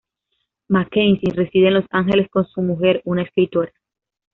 Mackenzie reside en Los Ángeles con su mujer, una escritora.